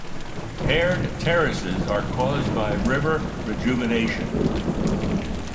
Paired terraces are caused by river rejuvenation.